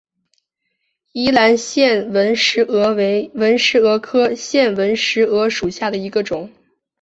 宜兰腺纹石娥为纹石蛾科腺纹石蛾属下的一个种。